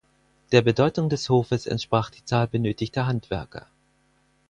Der Bedeutung des Hofes entsprach die Zahl benötigter Handwerker.